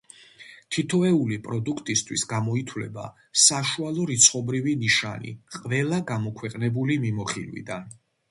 თითოეული პროდუქტისთვის გამოითვლება საშუალო რიცხობრივი ნიშანი ყველა გამოქვეყნებული მიმოხილვიდან.